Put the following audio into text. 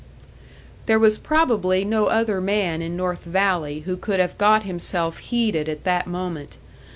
There was probably no other man in North Valley who could have got himself heeded at that moment.